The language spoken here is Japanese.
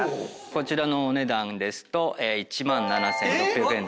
こちらのお値段ですと１万７，６００円です。